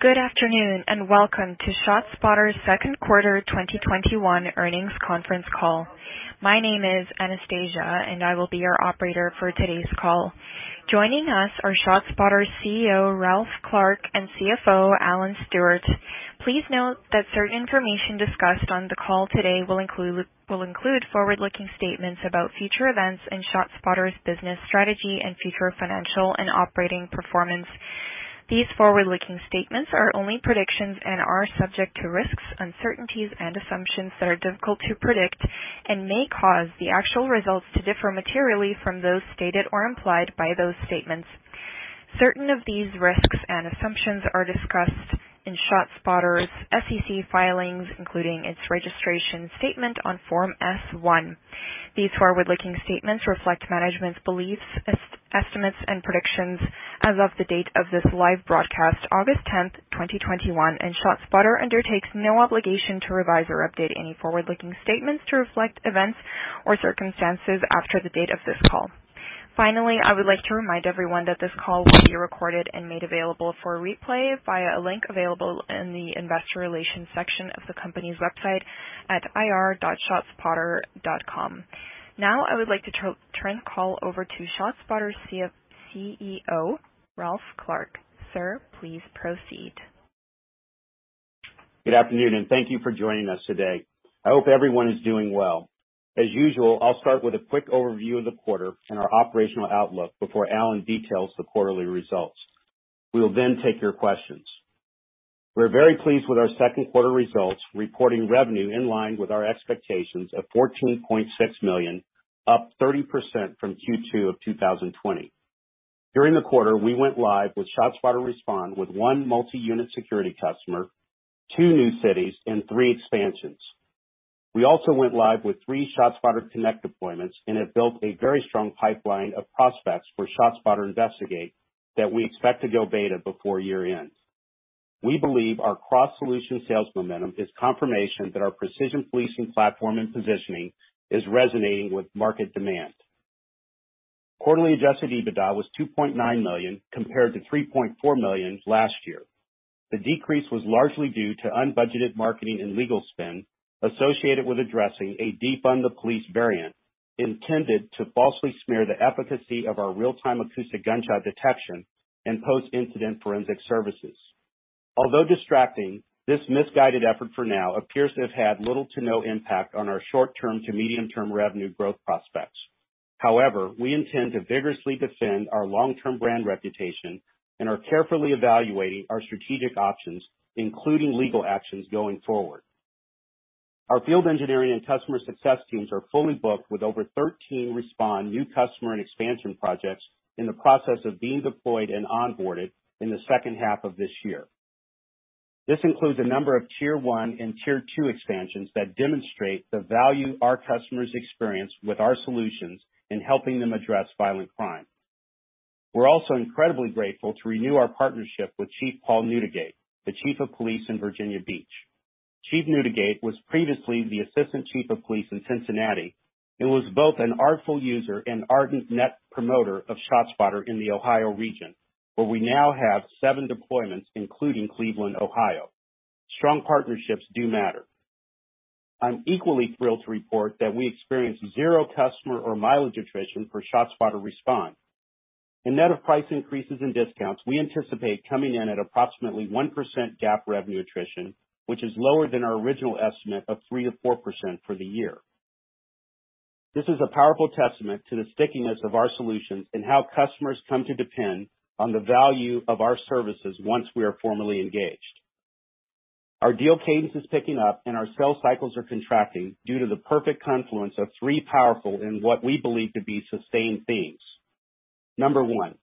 Good afternoon, and welcome to ShotSpotter's second quarter 2021 earnings conference call. My name is Anastasia, and I will be your operator for today's call. Joining us are ShotSpotter's CEO, Ralph Clark, and CFO, Alan Stewart. Please note that certain information discussed on the call today will include forward-looking statements about future events in ShotSpotter's business strategy and future financial and operating performance. These forward-looking statements are only predictions and are subject to risks, uncertainties, and assumptions that are difficult to predict and may cause the actual results to differ materially from those stated or implied by those statements. Certain of these risks and assumptions are discussed in ShotSpotter's SEC filings, including its registration statement on Form S-1. These forward-looking statements reflect management's beliefs, estimates, and predictions as of the date of this live broadcast, August 10th, 2021, and ShotSpotter undertakes no obligation to revise or update any forward-looking statements to reflect events or circumstances after the date of this call. Finally, I would like to remind everyone that this call will be recorded and made available for replay via a link available in the investor relations section of the company's website at ir.shotspotter.com. Now, I would like to turn the call over to ShotSpotter's CEO, Ralph Clark. Sir, please proceed. Good afternoon, thank you for joining us today. I hope everyone is doing well. As usual, I'll start with a quick overview of the quarter and our operational outlook before Alan details the quarterly results. We will take your questions. We're very pleased with our second quarter results, reporting revenue in line with our expectations of $14.6 million, up 30% from Q2 of 2020. During the quarter, we went live with ShotSpotter Respond with one multi-unit security customer, two new cities, and three expansions. We also went live with three ShotSpotter Connect deployments and have built a very strong pipeline of prospects for ShotSpotter Investigate that we expect to go beta before year-end. We believe our cross solution sales momentum is confirmation that our precision policing platform and positioning is resonating with market demand. Quarterly adjusted EBITDA was $2.9 million compared to $3.4 million last year. The decrease was largely due to unbudgeted marketing and legal spend associated with addressing a defund the police variant intended to falsely smear the efficacy of our real-time acoustic gunshot detection and post-incident forensic services. Although distracting, this misguided effort for now appears to have had little to no impact on our short-term to medium-term revenue growth prospects. However, we intend to vigorously defend our long-term brand reputation and are carefully evaluating our strategic options, including legal actions going forward. Our field engineering and customer success teams are fully booked with over 13 Respond new customer and expansion projects in the process of being deployed and onboarded in the second half of this year. This includes a number of Tier 1 and Tier 2 expansions that demonstrate the value our customers experience with our solutions in helping them address violent crime. We're also incredibly grateful to renew our partnership with Chief Paul Neudigate, the chief of police in Virginia Beach. Chief Neudigate was previously the assistant chief of police in Cincinnati and was both an artful user and ardent net promoter of ShotSpotter in the Ohio region, where we now have seven deployments, including Cleveland, Ohio. Strong partnerships do matter. I'm equally thrilled to report that we experienced zero customer or mileage attrition for ShotSpotter Respond, and net of price increases and discounts, we anticipate coming in at approximately 1% GAAP revenue attrition, which is lower than our original estimate of 3%-4% for the year. This is a powerful testament to the stickiness of our solutions and how customers come to depend on the value of our services once we are formally engaged. Our deal cadence is picking up, and our sales cycles are contracting due to the perfect confluence of three powerful and what we believe to be sustained themes. Number one,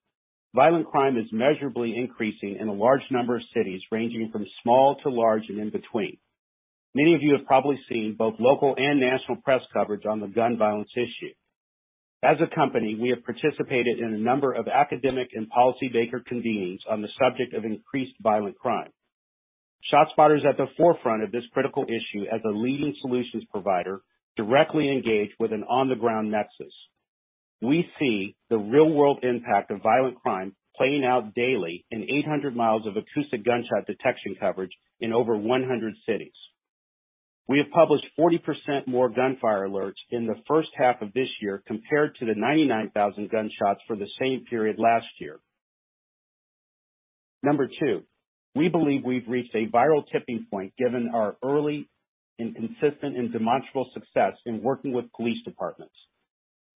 violent crime is measurably increasing in a large number of cities, ranging from small to large and in between. Many of you have probably seen both local and national press coverage on the gun violence issue. As a company, we have participated in a number of academic and policy maker convenings on the subject of increased violent crime. ShotSpotter's at the forefront of this critical issue as a leading solutions provider directly engaged with an on-the-ground nexus. We see the real-world impact of violent crime playing out daily in 800 miles of acoustic gunshot detection coverage in over 100 cities. We have published 40% more gunfire alerts in the first half of this year compared to the 99,000 gunshots for the same period last year. Number two, we believe we've reached a viral tipping point given our early and consistent and demonstrable success in working with police departments.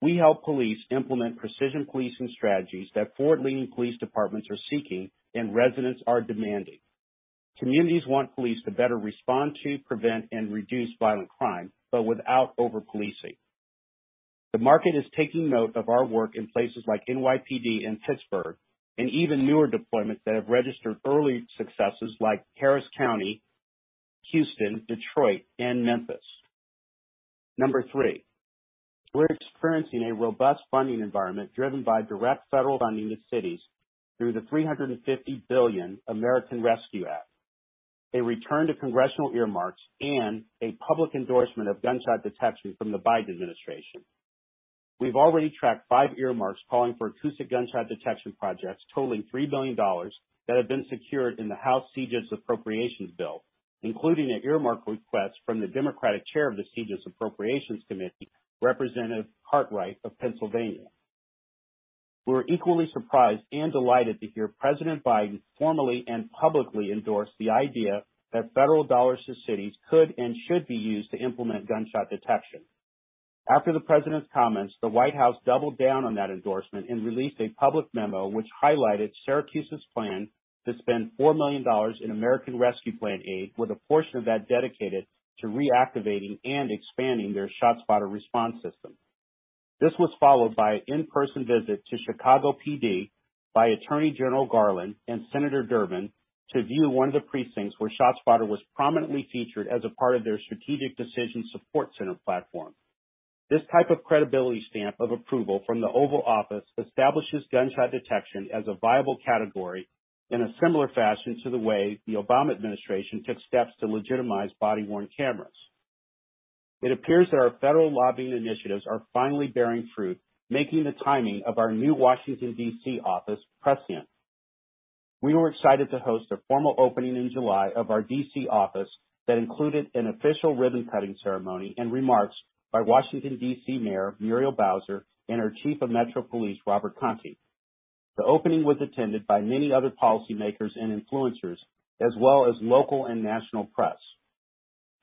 We help police implement precision policing strategies that forward-leaning police departments are seeking and residents are demanding. Communities want police to better respond to, prevent, and reduce violent crime, but without over-policing. The market is taking note of our work in places like NYPD and Pittsburgh and even newer deployments that have registered early successes like Harris County, Houston, Detroit, and Memphis. Number three, we're experiencing a robust funding environment driven by direct federal funding to cities through the $350 billion American Rescue Act, a return to congressional earmarks, and a public endorsement of gunshot detection from the Biden administration. We've already tracked five earmarks calling for acoustic gunshot detection projects totaling $3 million that have been secured in the House CJS Appropriations Bill, including an earmark request from the Democratic Chair of the CJS Appropriations Committee, Representative Cartwright of Pennsylvania. We were equally surprised and delighted to hear President Biden formally and publicly endorse the idea that federal dollars to cities could and should be used to implement gunshot detection. After the president's comments, the White House doubled down on that endorsement and released a public memo which highlighted Syracuse's plan to spend $4 million in American Rescue Plan aid with a portion of that dedicated to reactivating and expanding their ShotSpotter Respond system. This was followed by an in-person visit to Chicago PD by Attorney General Garland and Senator Durbin to view one of the precincts where ShotSpotter was prominently featured as a part of their strategic decision support center platform. This type of credibility stamp of approval from the Oval Office establishes gunshot detection as a viable category in a similar fashion to the way the Obama administration took steps to legitimize body-worn cameras. It appears that our federal lobbying initiatives are finally bearing fruit, making the timing of our new Washington, D.C. office prescient. We were excited to host a formal opening in July of our D.C. office that included an official ribbon-cutting ceremony and remarks by Washington, D.C. Mayor Muriel Bowser and her Chief of Metro Police, Robert Contee. The opening was attended by many other policymakers and influencers, as well as local and national press.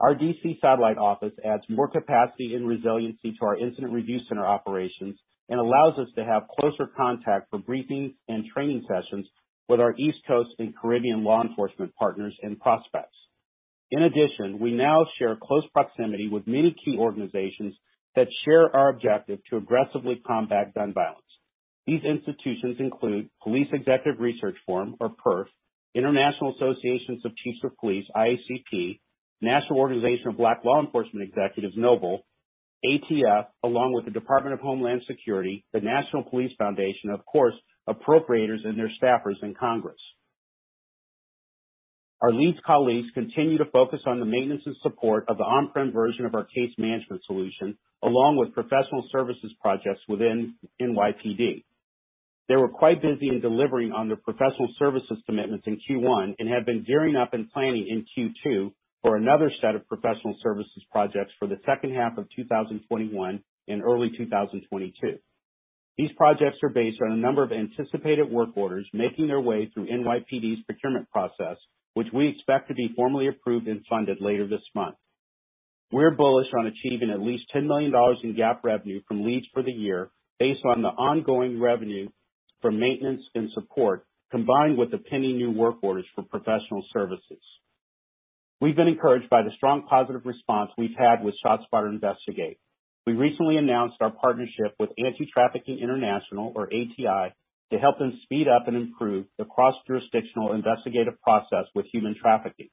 Our D.C. satellite office adds more capacity and resiliency to our incident review center operations and allows us to have closer contact for briefings and training sessions with our East Coast and Caribbean law enforcement partners and prospects. In addition, we now share close proximity with many key organizations that share our objective to aggressively combat gun violence. These institutions include Police Executive Research Forum, or PERF, International Association of Chiefs of Police, IACP, National Organization of Black Law Enforcement Executives, NOBLE, ATF, along with the Department of Homeland Security, the National Police Foundation, and of course, appropriators and their staffers in Congress. Our Leeds colleagues continue to focus on the maintenance and support of the on-prem version of our case management solution, along with professional services projects within NYPD. They were quite busy in delivering on their professional services commitments in Q1 and have been gearing up and planning in Q2 for another set of professional services projects for the second half of 2021 and early 2022. These projects are based on a number of anticipated work orders making their way through NYPD's procurement process, which we expect to be formally approved and funded later this month. We're bullish on achieving at least $10 million in GAAP revenue from Leeds for the year based on the ongoing revenue from maintenance and support, combined with the pending new work orders for professional services. We've been encouraged by the strong positive response we've had with ShotSpotter Investigate. We recently announced our partnership with Anti-Trafficking International, or ATI, to help them speed up and improve the cross-jurisdictional investigative process with human trafficking.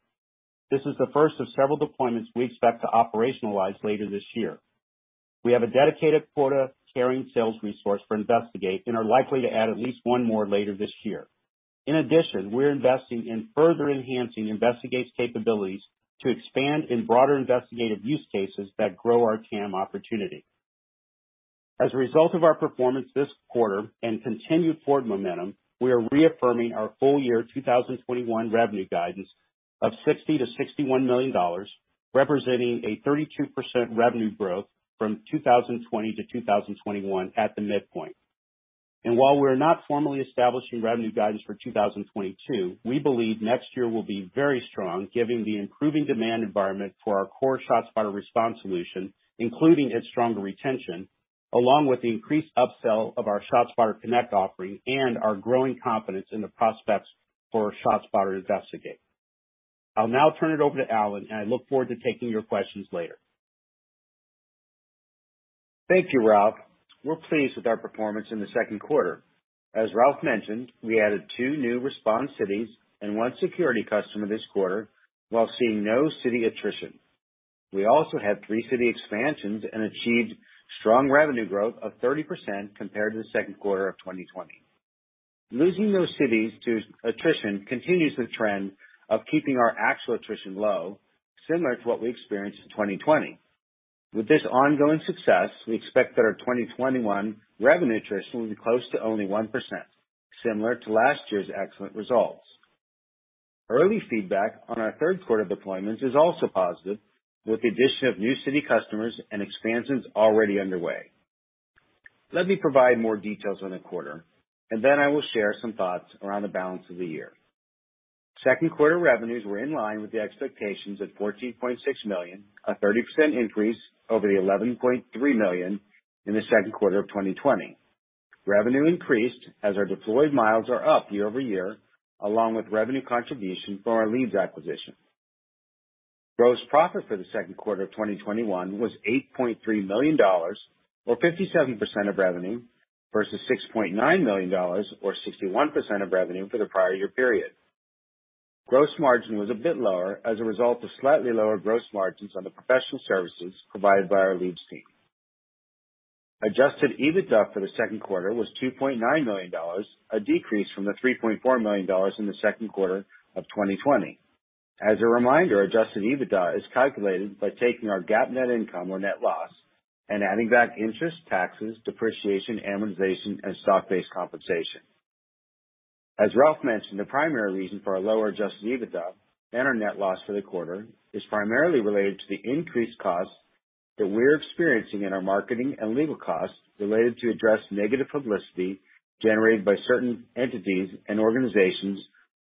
This is the first of several deployments we expect to operationalize later this year. We have a dedicated quota-carrying sales resource for Investigate and are likely to add at least one more later this year. In addition, we're investing in further enhancing Investigate's capabilities to expand in broader investigative use cases that grow our TAM opportunity. As a result of our performance this quarter and continued forward momentum, we are reaffirming our full year 2021 revenue guidance of $60 million-$61 million, representing a 32% revenue growth from 2020 to 2021 at the midpoint. While we're not formally establishing revenue guidance for 2022, we believe next year will be very strong given the improving demand environment for our core ShotSpotter Respond solution, including its stronger retention, along with the increased upsell of our ShotSpotter Connect offering and our growing confidence in the prospects for ShotSpotter Investigate. I'll now turn it over to Alan, and I look forward to taking your questions later. Thank you, Ralph. We're pleased with our performance in the second quarter. As Ralph mentioned, we added two new response cities and one security customer this quarter while seeing no city attrition. We also had three city expansions and achieved strong revenue growth of 30% compared to the second quarter of 2020. Losing those cities to attrition continues the trend of keeping our actual attrition low, similar to what we experienced in 2020. With this ongoing success, we expect that our 2021 revenue attrition will be close to only 1%, similar to last year's excellent results. Early feedback on our third quarter deployments is also positive with the addition of new city customers and expansions already underway. Let me provide more details on the quarter, and then I will share some thoughts around the balance of the year. Second quarter revenues were in line with the expectations at $14.6 million, a 30% increase over the $11.3 million in the second quarter of 2020. Revenue increased as our deployed miles are up year-over-year, along with revenue contribution from our Leeds acquisition. Gross profit for the second quarter of 2021 was $8.3 million, or 57% of revenue, versus $6.9 million, or 61% of revenue for the prior year period. Gross margin was a bit lower as a result of slightly lower gross margins on the professional services provided by our Leeds team. Adjusted EBITDA for the second quarter was $2.9 million, a decrease from the $3.4 million in the second quarter of 2020. As a reminder, adjusted EBITDA is calculated by taking our GAAP net income or net loss and adding back interest, taxes, depreciation, amortization, and stock-based compensation. As Ralph mentioned, the primary reason for our lower adjusted EBITDA and our net loss for the quarter is primarily related to the increased costs that we're experiencing in our marketing and legal costs related to address negative publicity generated by certain entities and organizations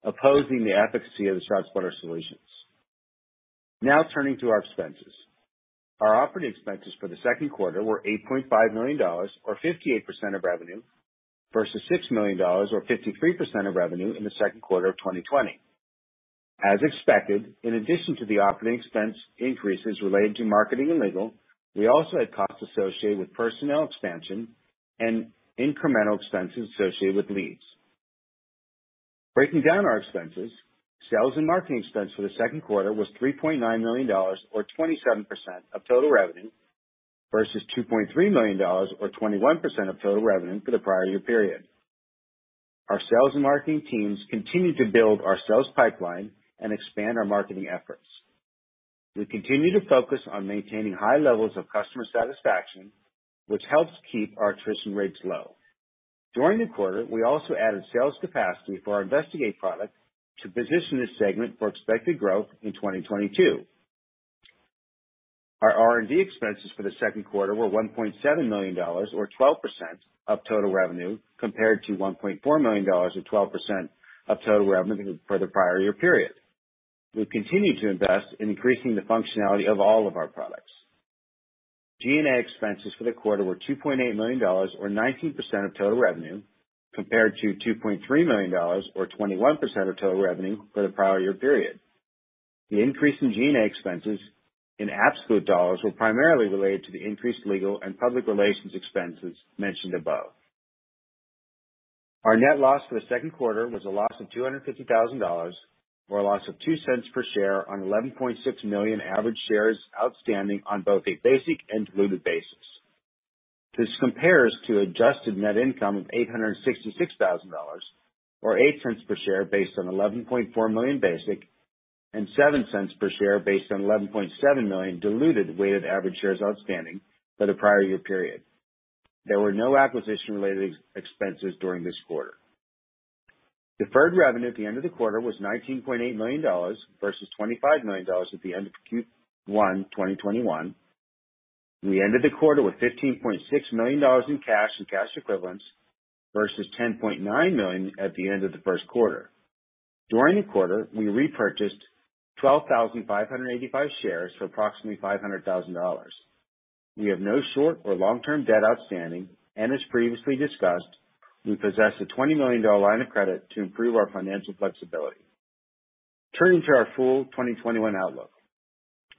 opposing the efficacy of the ShotSpotter solutions. Now turning to our expenses. Our operating expenses for the second quarter were $8.5 million, or 58% of revenue, versus $6 million, or 53% of revenue, in the second quarter of 2020. As expected, in addition to the operating expense increases related to marketing and legal, we also had costs associated with personnel expansion and incremental expenses associated with Leeds. Breaking down our expenses, sales and marketing expense for the second quarter was $3.9 million, or 27% of total revenue, versus $2.3 million, or 21% of total revenue for the prior year period. Our sales and marketing teams continue to build our sales pipeline and expand our marketing efforts. We continue to focus on maintaining high levels of customer satisfaction, which helps keep our attrition rates low. During the quarter, we also added sales capacity for our Investigate product to position this segment for expected growth in 2022. Our R&D expenses for the second quarter were $1.7 million, or 12% of total revenue, compared to $1.4 million or 12% of total revenue for the prior year period. We've continued to invest in increasing the functionality of all of our products. G&A expenses for the quarter were $2.8 million, or 19% of total revenue, compared to $2.3 million or 21% of total revenue for the prior year period. The increase in G&A expenses in absolute dollars were primarily related to the increased legal and public relations expenses mentioned above. Our net loss for the second quarter was a loss of $250,000, or a loss of $0.02 per share on 11.6 million average shares outstanding on both a basic and diluted basis. This compares to adjusted net income of $866,000, or $0.08 per share based on 11.4 million basic, and $0.07 per share based on 11.7 million diluted weighted average shares outstanding for the prior year period. There were no acquisition-related expenses during this quarter. Deferred revenue at the end of the quarter was $19.8 million, versus $25 million at the end of Q1 2021. We ended the quarter with $15.6 million in cash and cash equivalents versus $10.9 million at the end of the first quarter. During the quarter, we repurchased 12,585 shares for approximately $500,000. We have no short or long-term debt outstanding, and as previously discussed, we possess a $20 million line of credit to improve our financial flexibility. Turning to our full 2021 outlook.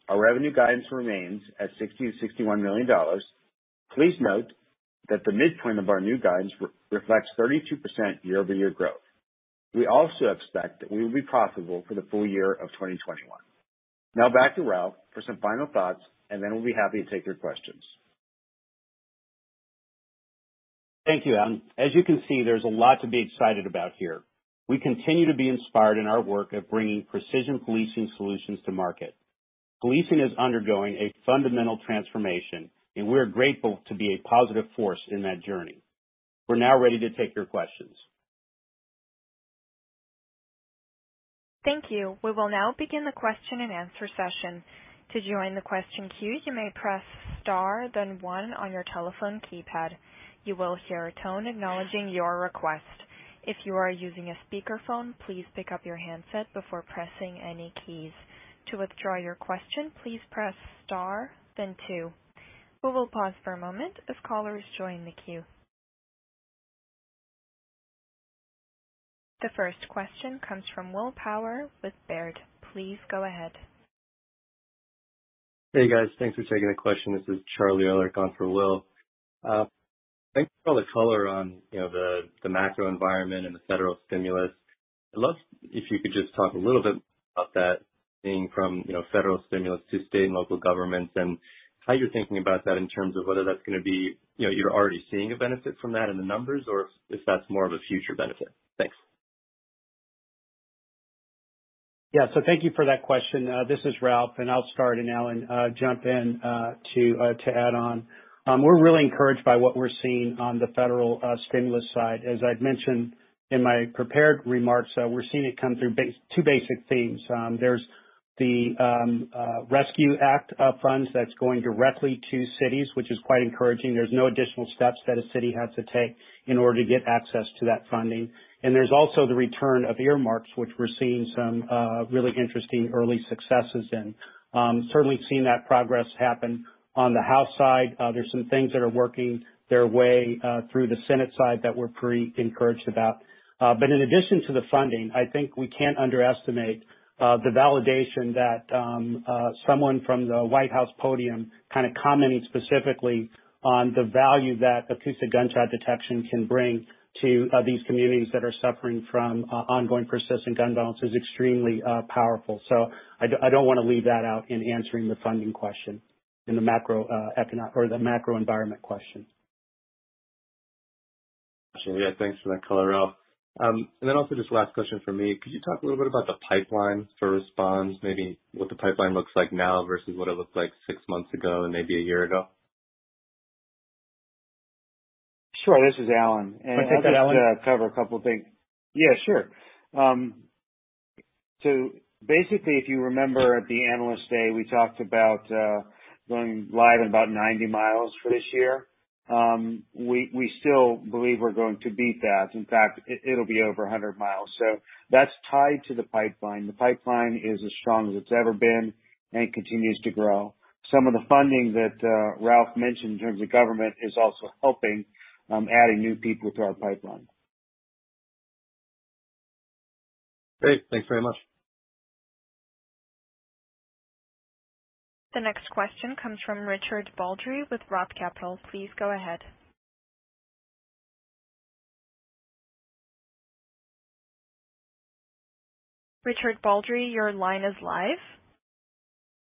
Our revenue guidance remains at $60 million-$61 million. Please note that the midpoint of our new guidance reflects 32% year-over-year growth. We also expect that we will be profitable for the full year of 2021. Now back to Ralph for some final thoughts, and then we'll be happy to take your questions. Thank you, Alan. As you can see, there's a lot to be excited about here. We continue to be inspired in our work of bringing precision policing solutions to market. Policing is undergoing a fundamental transformation, and we're grateful to be a positive force in that journey. We're now ready to take your questions. Thank you. We will now begin the question and answer session. The first question comes from Will Power with Baird. Please go ahead. Hey, guys. Thanks for taking the question. This is Charlie Hoover on for Will. Thanks for all the color on the macro environment and the federal stimulus. I'd love if you could just talk a little bit about that being from federal stimulus to state and local governments, and how you're thinking about that in terms of whether that's going to be, you're already seeing a benefit from that in the numbers, or if that's more of a future benefit. Thanks. Yeah. Thank you for that question. This is Ralph, and I'll start, and Alan, jump in to add on. We're really encouraged by what we're seeing on the federal stimulus side. As I'd mentioned in my prepared remarks, we're seeing it come through two basic themes. There's the Rescue Act funds that's going directly to cities, which is quite encouraging. There's no additional steps that a city has to take in order to get access to that funding. There's also the return of earmarks, which we're seeing some really interesting early successes in. Certainly seen that progress happen on the House side. There's some things that are working their way through the Senate side that we're pretty encouraged about. In addition to the funding, I think we can't underestimate the validation that someone from the White House podium commenting specifically on the value that acoustic gunshot detection can bring to these communities that are suffering from ongoing persistent gun violence is extremely powerful. I don't want to leave that out in answering the funding question, in the macro environment question. Yeah, thanks for that color, Ralph. Just last question from me. Could you talk a little bit about the pipeline for Respond, maybe what the pipeline looks like now versus what it looked like six months ago and maybe a year ago? Sure. This is Alan. Go ahead, Alan. I'll just cover a couple of things. Yeah, sure. Basically, if you remember at the Analyst Day, we talked about going live in about 90 miles for this year. We still believe we're going to beat that. In fact, it'll be over 100 miles. That's tied to the pipeline. The pipeline is as strong as it's ever been and continues to grow. Some of the funding that Ralph mentioned in terms of government is also helping adding new people to our pipeline. Great. Thanks very much. The next question comes from Richard Baldry with Roth Capital Partners. Please go ahead. Richard Baldry, your line is live.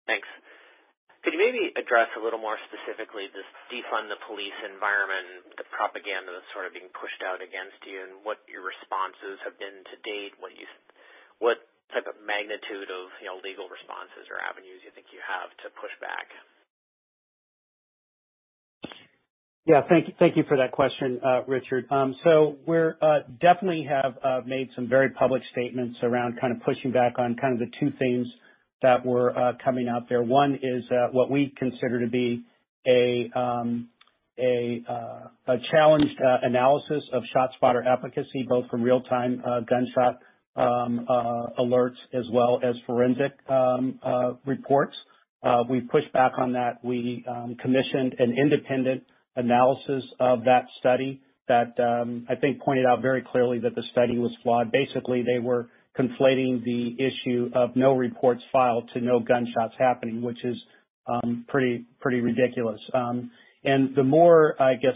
Thanks. Could you maybe address a little more specifically this defund the police environment and the propaganda that's sort of being pushed out against you, and what your responses have been to date, what type of magnitude of legal responses or avenues you think you have to push back? Thank you for that question, Richard. We definitely have made some very public statements around pushing back on kind of the two things that were coming out there. One is, what we consider to be a challenged analysis of ShotSpotter efficacy, both from real-time gunshot alerts as well as forensic reports. We've pushed back on that. We commissioned an independent analysis of that study that, I think pointed out very clearly that the study was flawed. Basically, they were conflating the issue of no reports filed to no gunshots happening, which is pretty ridiculous. The more, I guess,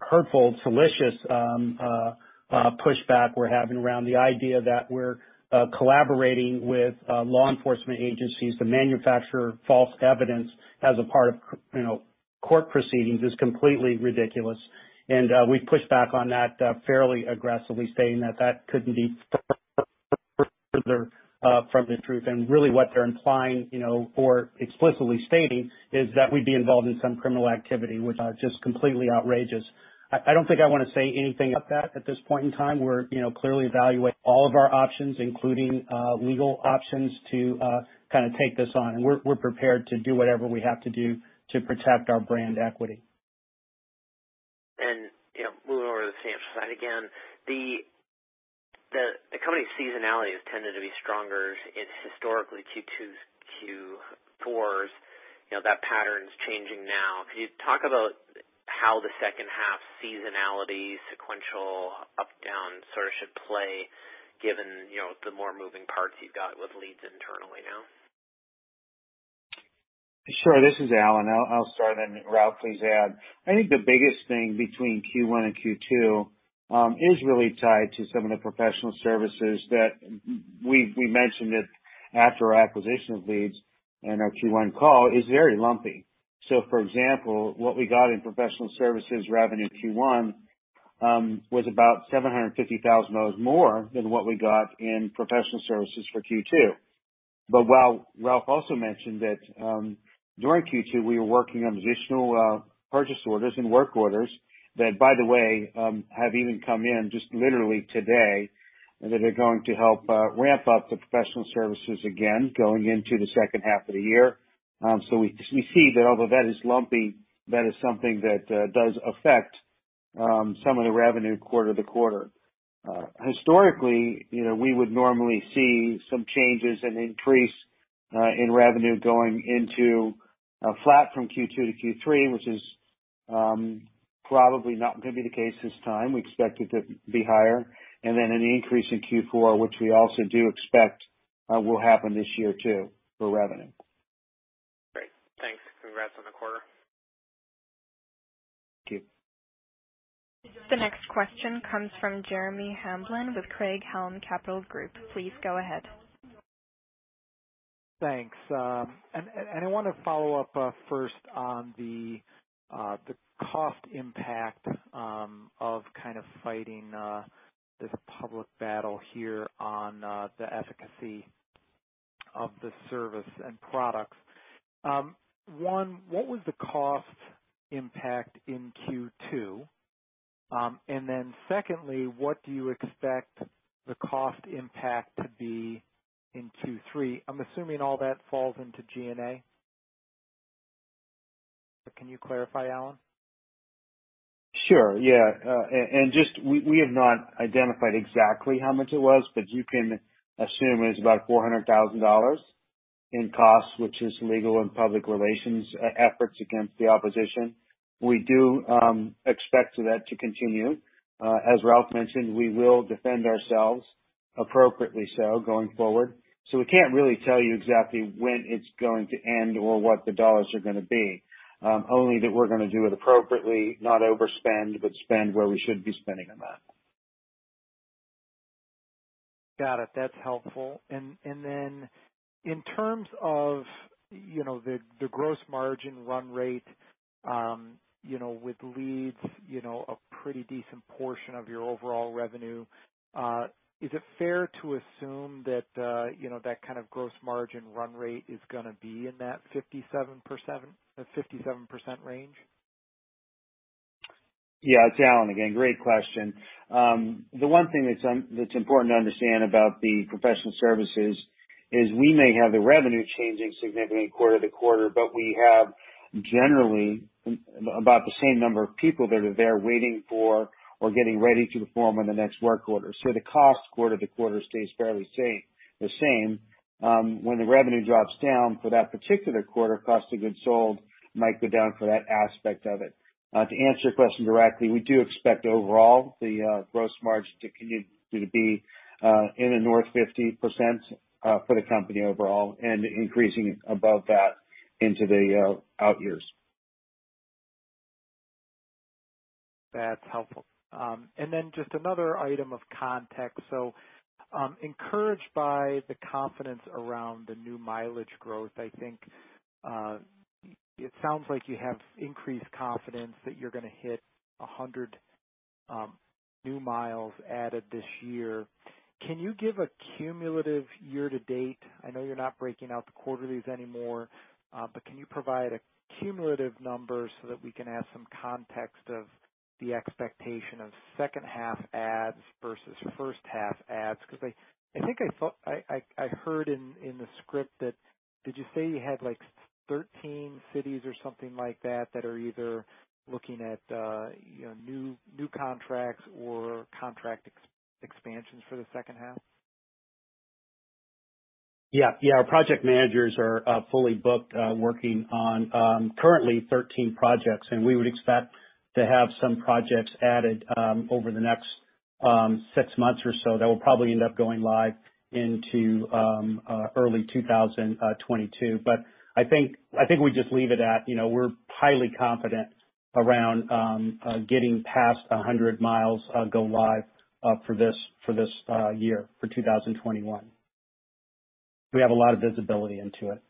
hurtful, malicious pushback we're having around the idea that we're collaborating with law enforcement agencies to manufacture false evidence as a part of court proceedings is completely ridiculous. We've pushed back on that fairly aggressively, stating that that couldn't be further from the truth. Really what they're implying or explicitly stating is that we'd be involved in some criminal activity, which is just completely outrageous. I don't think I want to say anything about that at this point in time. We're clearly evaluating all of our options, including legal options, to kind of take this on. We're prepared to do whatever we have to do to protect our brand equity. Moving over to the ShotSpotter side again, the company's seasonality has tended to be stronger in historically Q2s, Q4s, you know, that pattern's changing now. Could you talk about how the second half seasonality sequential up, down sort of should play given the more moving parts you've got with Leeds internally now? Sure. This is Alan Stewart. I'll start, and Ralph Clark, please add. I think the biggest thing between Q1 and Q2, is really tied to some of the professional services that we mentioned it after our acquisition of Leeds and our Q1 call is very lumpy. For example, what we got in professional services revenue Q1 was about $750,000 more than what we got in professional services for Q2. While Ralph Clark also mentioned that, during Q2, we were working on additional purchase orders and work orders. That, by the way, have even come in just literally today, and that are going to help ramp up the professional services again going into the second half of the year. We see that although that is lumpy, that is something that does affect some of the revenue quarter to quarter. Historically, we would normally see some changes and increase in revenue going into a flat from Q2 to Q3, which is probably not going to be the case this time. We expect it to be higher. An increase in Q4, which we also do expect, will happen this year too, for revenue. Great. Thanks. Congrats on the quarter. Thank you. The next question comes from Jeremy Hamblin with Craig-Hallum Capital Group. Please go ahead. Thanks. I want to follow up first on the cost impact of kind of fighting this public battle here on the efficacy of the service and products. One, what was the cost impact in Q2? Then secondly, what do you expect the cost impact to be in Q3? I'm assuming all that falls into G&A. Can you clarify, Alan? Sure. Yeah. We have not identified exactly how much it was, but you can assume it's about $400,000 in costs, which is legal and public relations efforts against the opposition. We do expect that to continue. As Ralph mentioned, we will defend ourselves appropriately so going forward. We can't really tell you exactly when it's going to end or what the dollars are gonna be. Only that we're gonna do it appropriately, not overspend, but spend where we should be spending them at. Got it. That's helpful. In terms of the gross margin run rate with Leeds a pretty decent portion of your overall revenue, is it fair to assume that that kind of gross margin run rate is going to be in that 57% range? Alan again. Great question. The one thing that's important to understand about the professional services is we may have the revenue changing significantly quarter-to-quarter, but we have generally about the same number of people that are there waiting for or getting ready to perform on the next work order. The cost quarter-to-quarter stays fairly the same. When the revenue drops down for that particular quarter, cost of goods sold might go down for that aspect of it. To answer your question directly, we do expect overall the gross margin to continue to be in the north 50% for the company overall and increasing above that into the out years. That's helpful. Just another item of context. Encouraged by the confidence around the new mileage growth, I think it sounds like you have increased confidence that you're going to hit 100 new miles added this year. Can you give a cumulative year-to-date? I know you're not breaking out the quarterlies anymore. Can you provide a cumulative number so that we can have some context of the expectation of second half adds versus first half adds? I think I heard in the script that did you say you had 13 cities or something like that that are either looking at new contracts or contract expansions for the second half? Our project managers are fully booked, working on currently 13 projects, and we would expect to have some projects added over the next six months or so that will probably end up going live into early 2022. We're highly confident around getting past 100 mi go live for this year, for 2021. We have a lot of visibility into it.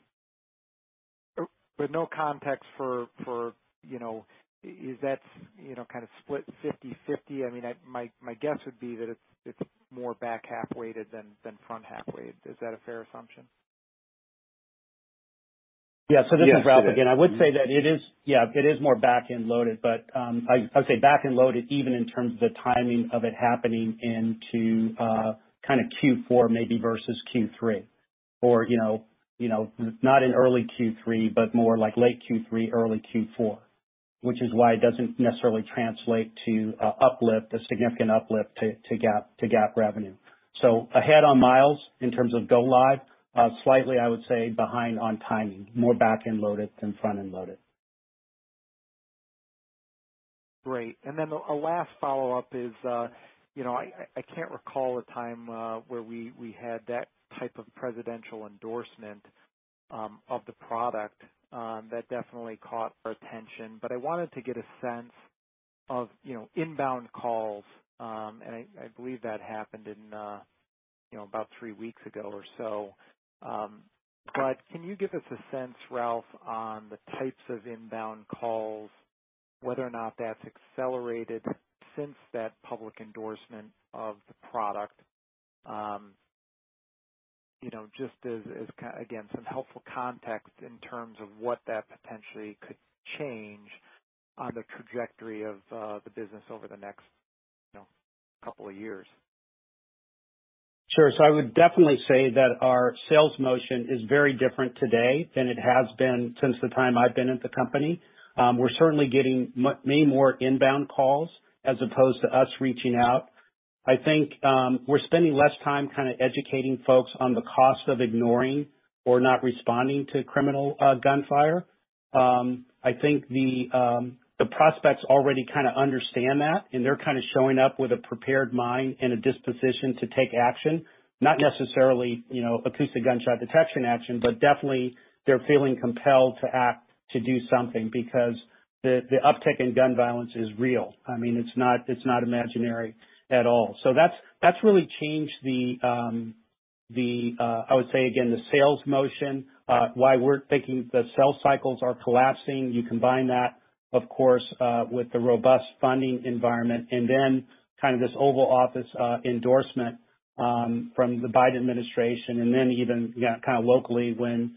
No context for is that kind of split 50/50? My guess would be that it's more back half weighted than front half weighted. Is that a fair assumption? Yeah. This is Ralph again. I would say that it is, yeah, it is more back-end loaded, but I would say back-end loaded even in terms of the timing of it happening into Q4 maybe versus Q3. Not in early Q3, but more like late Q3, early Q4, which is why it doesn't necessarily translate to a significant uplift to GAAP revenue. Ahead on miles in terms of go live, slightly, I would say behind on timing, more back-end loaded than front-end loaded. Great. A last follow-up is, I can't recall a time where we had that type of presidential endorsement of the product. That definitely caught our attention. I wanted to get a sense of inbound calls, and I believe that happened about three weeks ago or so. Can you give us a sense, Ralph, on the types of inbound calls, whether or not that's accelerated since that public endorsement of the product? Just as, again, some helpful context in terms of what that potentially could change on the trajectory of the business over the next couple of years. Sure. I would definitely say that our sales motion is very different today than it has been since the time I've been at the company. We're certainly getting many more inbound calls as opposed to us reaching out. I think we're spending less time kind of educating folks on the cost of ignoring or not responding to criminal gunfire. I think the prospects already kind of understand that, and they're kind of showing up with a prepared mind and a disposition to take action. Not necessarily acoustic gunshot detection action, but definitely they're feeling compelled to act, to do something because the uptick in gun violence is real. It's not imaginary at all. That's really changed the, I would say again, the sales motion, why we're thinking the sales cycles are collapsing. You combine that, of course, with the robust funding environment and then kind of this Oval Office endorsement from the Biden administration, and then even kind of locally when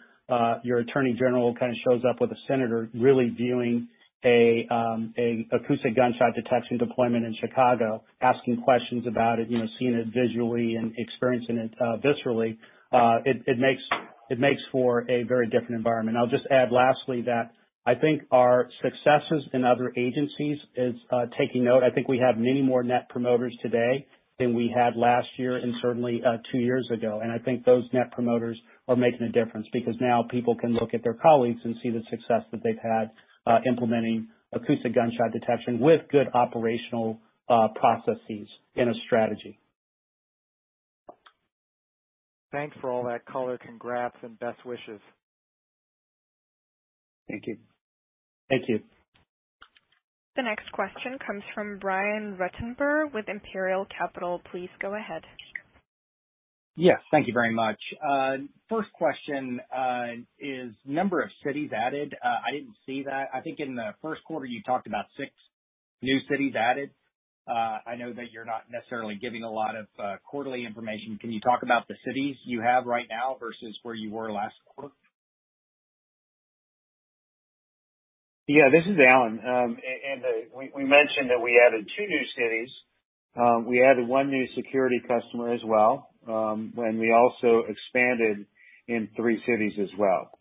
your attorney general kind of shows up with a senator really viewing a acoustic gunshot detection deployment in Chicago, asking questions about it, seeing it visually and experiencing it viscerally. It makes for a very different environment. I'll just add lastly that I think our successes in other agencies is taking note. I think we have many more net promoters today than we had last year and certainly two years ago. I think those net promoters are making a difference because now people can look at their colleagues and see the success that they've had implementing acoustic gunshot detection with good operational processes in a strategy. Thanks for all that color. Congrats and best wishes. Thank you. Thank you. The next question comes from Brian Ruttenbur with Imperial Capital. Please go ahead. Yes, thank you very much. First question is number of cities added. I didn't see that. I think in the first quarter you talked about six new cities added. I know that you're not necessarily giving a lot of quarterly information. Can you talk about the cities you have right now versus where you were last quarter? Yeah, this is Alan. We mentioned that we added two new cities. We added one new security customer as well. We also expanded in three cities as well.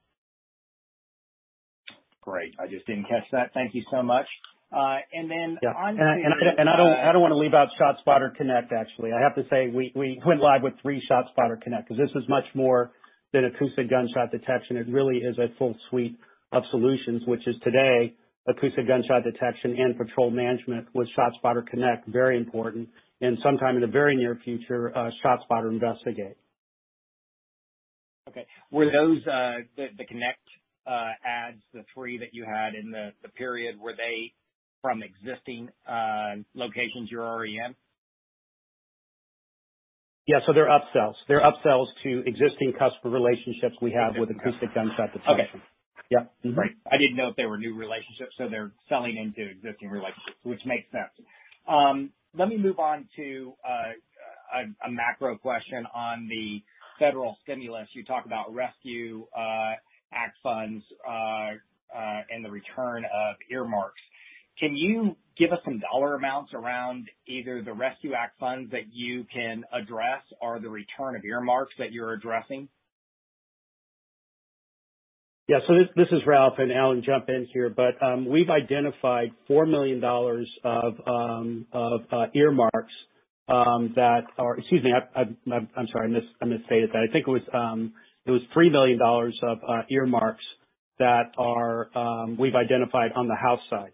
Great. I just didn't catch that. Thank you so much. I don't want to leave out ShotSpotter Connect, actually. I have to say, we went live with three ShotSpotter Connect, because this is much more than acoustic gunshot detection. It really is a full suite of solutions, which is today acoustic gunshot detection and patrol management with ShotSpotter Connect, very important. Sometime in the very near future, ShotSpotter Investigate. Okay. Were those, the Connect adds, the three that you had in the period, were they from existing locations you're already in? Yeah. They're upsells. They're upsells to existing customer relationships we have with acoustic gunshot detection. Okay. Yeah. Mm-hmm. Great. I didn't know if they were new relationships, so they're selling into existing relationships, which makes sense. Let me move on to a macro question on the federal stimulus. You talk about Rescue Act funds, and the return of earmarks. Can you give us some dollar amounts around either the Rescue Act funds that you can address or the return of earmarks that you're addressing? This is Ralph, and Alan, jump in here. We've identified $4 million of earmarks that are Excuse me. I'm sorry. I misstated that. I think it was $3 million of earmarks that we've identified on the House side.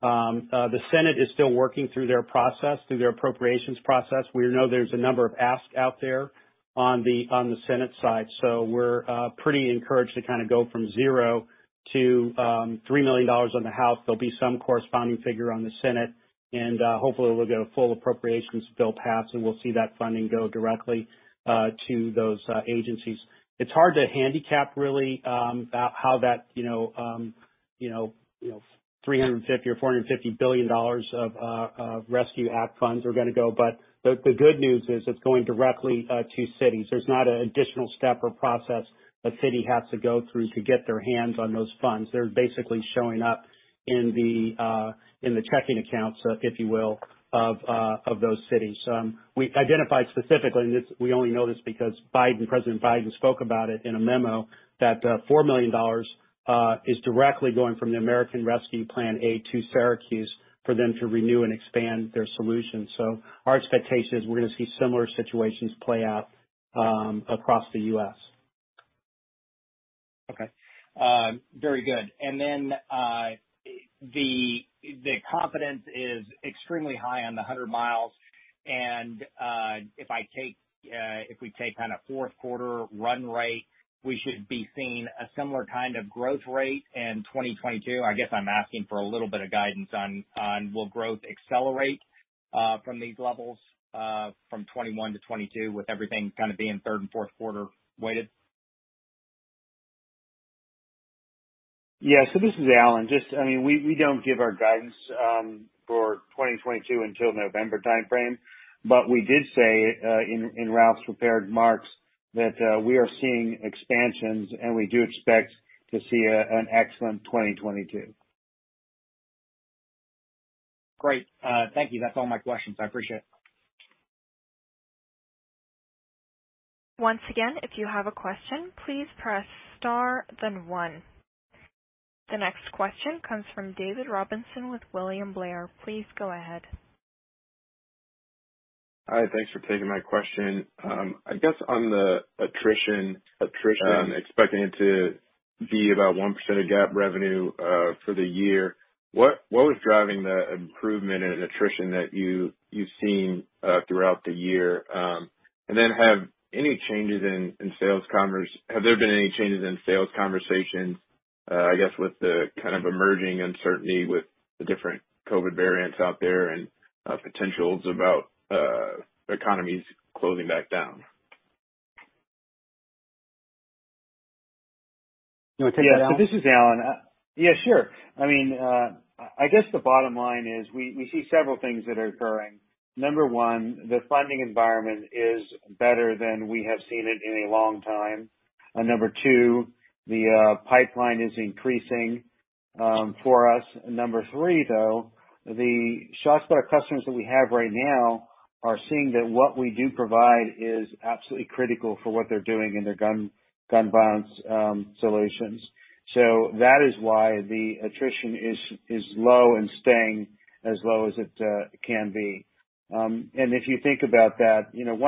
The Senate is still working through their process, through their appropriations process. We know there's a number of asks out there on the Senate side. We're pretty encouraged to kind of go from 0 to $3 million on the House. There'll be some corresponding figure on the Senate. Hopefully we'll get a full appropriations bill passed. We'll see that funding go directly to those agencies. It's hard to handicap really, about how that $350 billion or $450 billion of Rescue Act funds are gonna go. The good news is it's going directly to cities. There's not an additional step or process a city has to go through to get their hands on those funds. They're basically showing up in the checking accounts, if you will, of those cities. We identified specifically, and we only know this because President Biden spoke about it in a memo, that $4 million is directly going from the American Rescue Plan Act to Syracuse for them to renew and expand their solution. Our expectation is we're gonna see similar situations play out across the U.S. Okay. Very good. The confidence is extremely high on the 100 mi. If we take kind of fourth quarter run rate, we should be seeing a similar kind of growth rate in 2022. I guess I'm asking for a little bit of guidance on will growth accelerate from these levels from 2021 to 2022 with everything kind of being third and fourth quarter weighted? This is Alan. We don't give our guidance for 2022 until November timeframe, but we did say, in Ralph's prepared marks, that we are seeing expansions, and we do expect to see an excellent 2022. Great. Thank you. That's all my questions. I appreciate it. The next question comes from David Robinson with William Blair. Please go ahead. Hi. Thanks for taking my question. I guess on the attrition, expecting it to be about 1% of GAAP revenue for the year, what was driving the improvement in attrition that you've seen throughout the year? Then have there been any changes in sales conversations, I guess, with the kind of emerging uncertainty with the different COVID variants out there and potentials about economies closing back down? You want to take that, Alan? Yeah. This is Alan. Yeah, sure. I guess the bottom line is we see several things that are occurring. Number one, the funding environment is better than we have seen it in a long time. Number two, the pipeline is increasing for us. Number three though, the ShotSpotter customers that we have right now are seeing that what we do provide is absolutely critical for what they're doing in their gun violence solutions. That is why the attrition is low and staying as low as it can be. If you think about that, 1%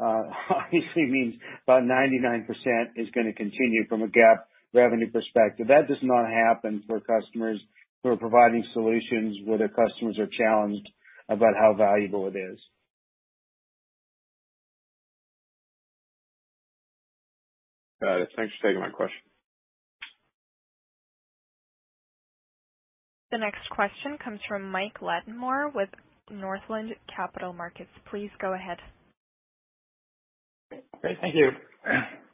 obviously means about 99% is gonna continue from a GAAP revenue perspective. That does not happen for customers who are providing solutions where their customers are challenged about how valuable it is. Got it. Thanks for taking my question. The next question comes from Mike Latimore with Northland Capital Markets. Please go ahead. Great. Thank you.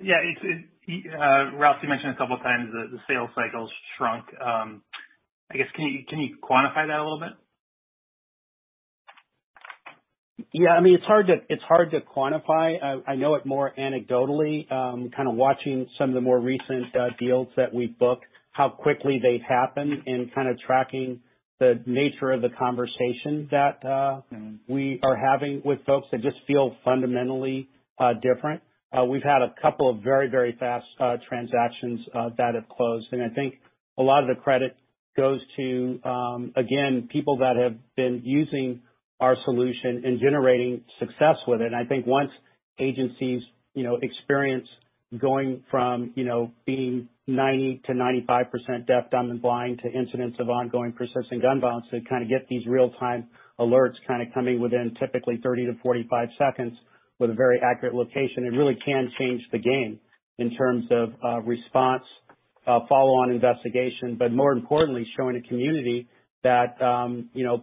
Yeah. Ralph, you mentioned a couple times that the sales cycle's shrunk. I guess, can you quantify that a little bit? Yeah. It's hard to quantify. I know it more anecdotally, kind of watching some of the more recent deals that we've booked, how quickly they happen, and kind of tracking the nature of the conversation that we are having with folks that just feel fundamentally different. We've had a couple of very, very fast transactions that have closed, and I think a lot of the credit goes to, again, people that have been using our solution and generating success with it. I think once agencies experience going from being 90%-95% deaf, dumb, and blind to incidents of ongoing persistent gun violence, to kind of get these real-time alerts kind of coming within typically 30-45 seconds with a very accurate location, it really can change the game in terms of response, follow-on investigation, but more importantly, showing a community that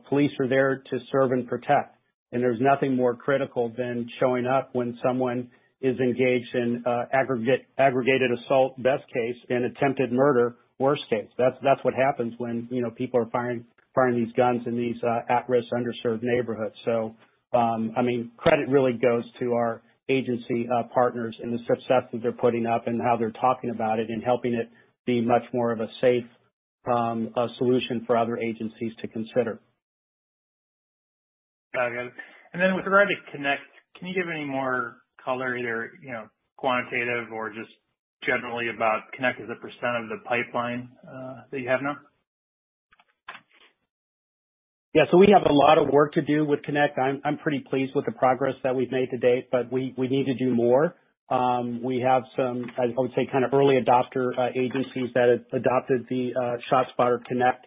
police are there to serve and protect. There's nothing more critical than showing up when someone is engaged in aggravated assault, best case, and attempted murder, worst case. That's what happens when people are firing these guns in these at-risk, underserved neighborhoods. Credit really goes to our agency partners and the success that they're putting up and how they're talking about it and helping it be much more of a safe solution for other agencies to consider. Got it. Then with regard to Connect, can you give any more color, either quantitative or just generally about Connect as a percent of the pipeline that you have now? We have a lot of work to do with Connect. I'm pretty pleased with the progress that we've made to date, but we need to do more. We have some, I would say, kind of early adopter agencies that have adopted the ShotSpotter Connect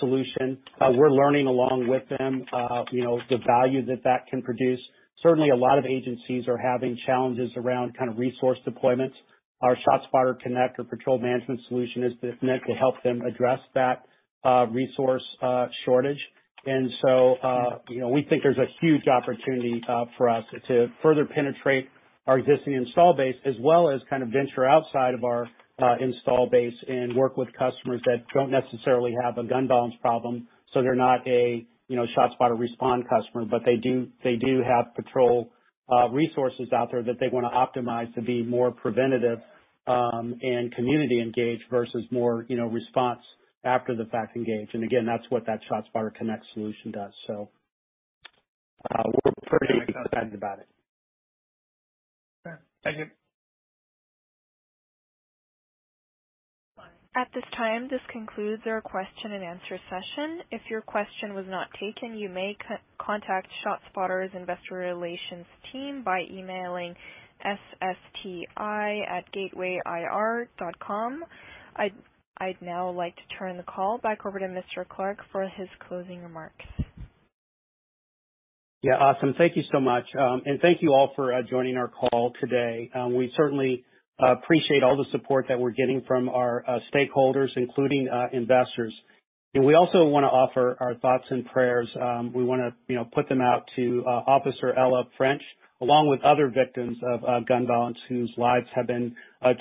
solution. We're learning along with them the value that that can produce. Certainly, a lot of agencies are having challenges around resource deployment. Our ShotSpotter Connect, or patrol management solution, is meant to help them address that resource shortage. We think there's a huge opportunity for us to further penetrate our existing install base, as well as kind of venture outside of our install base and work with customers that don't necessarily have a gun violence problem. They're not a ShotSpotter Respond customer, but they do have patrol resources out there that they want to optimize to be more preventative and community-engaged versus more response after-the-fact engaged. Again, that's what that ShotSpotter Connect solution does. We're pretty excited about it. Okay. Thank you. At this time, this concludes our question and answer session. If your question was not taken, you may contact ShotSpotter's investor relations team by emailing ssti@gatewayir.com. I'd now like to turn the call back over to Mr. Clark for his closing remarks. Awesome. Thank you so much. Thank you all for joining our call today. We certainly appreciate all the support that we're getting from our stakeholders, including investors. We also want to offer our thoughts and prayers. We want to put them out to Officer Ella French, along with other victims of gun violence whose lives have been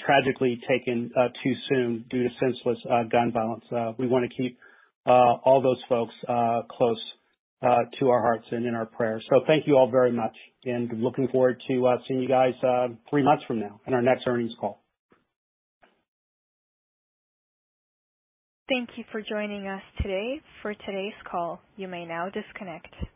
tragically taken too soon due to senseless gun violence. We want to keep all those folks close to our hearts and in our prayers. Thank you all very much, and looking forward to seeing you guys three months from now in our next earnings call. Thank you for joining us today for today's call. You may now disconnect.